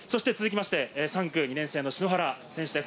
３区、２年生の篠原選手です。